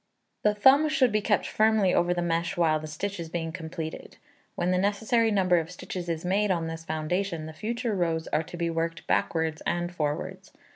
The thumb should be kept firmly over the mesh while the stitch is being completed. When the necessary number of stitches is made on this foundation, the future rows are to be worked backwards and forwards.